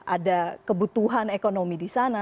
ada kebutuhan ekonomi di sana